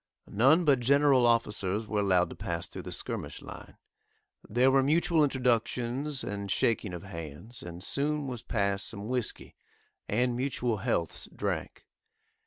None but general officers were allowed to pass through the skirmish line; there were mutual introductions and shaking of hands, and soon was passed some whiskey, and mutual healths drank.